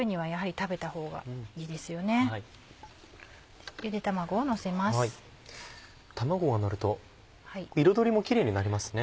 卵がのると彩りもキレイになりますね。